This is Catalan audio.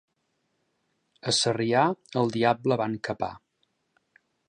A Sarrià, el diable van capar.